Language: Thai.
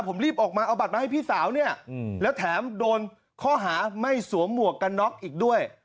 ผมรีบออกมาเอาบัตรมาให้พี่สาวเนี่ยแล้วแถมโดนข้อหาไม่สวมหมวกกันน็อกอีกด้วย